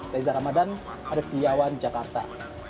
dari zahra madan arief giliawan jakarta